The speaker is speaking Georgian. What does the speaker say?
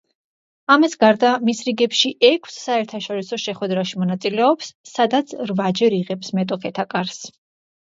ამას გარდა, მის რიგებში ექვს საერთაშორისო შეხვედრაში მონაწილეობს, სადაც რვაჯერ იღებს მეტოქეთა კარს.